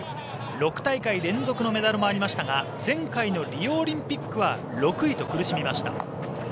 ６大会連続のメダルもありましたが前回のリオオリンピックは６位と苦しみました。